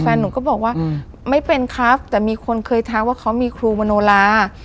หนูก็บอกว่าไม่เป็นครับแต่มีคนเคยทักว่าเขามีครูมโนลา